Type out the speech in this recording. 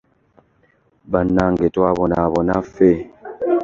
Banage twabonaabona ffe.